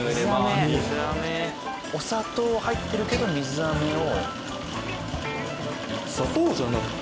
お砂糖入ってるけど水飴を。